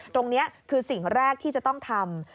ตรงนี้คือสิ่งแรกที่จะต้องทำ